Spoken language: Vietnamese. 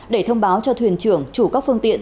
để thông báo cho thuyền trưởng chủ các phương tiện